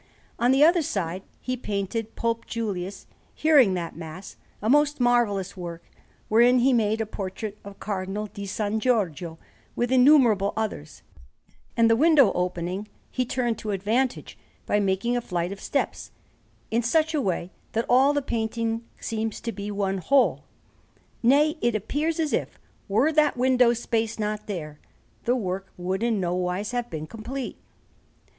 On the other side he painted Pope Julius hearing that Mass, a most marvellous work, wherein he made a portrait of Cardinal di San Giorgio, with innumerable others; and the window opening he turned to advantage by making a flight of steps, in such a way that all the painting seems to be one whole: nay, it appears as if, were that window space not there, the work would in nowise have been complete.